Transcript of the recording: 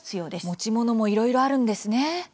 持ち物もいろいろあるんですね。